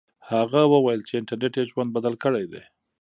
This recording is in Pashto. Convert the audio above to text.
هغه وویل چې انټرنیټ یې ژوند بدل کړی دی.